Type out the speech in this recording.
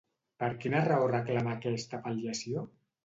Per quina raó reclama aquesta pal·liació?